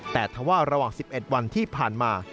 แต่ถ้าว่าระหว่าง๑๑วันที่ผ่านมา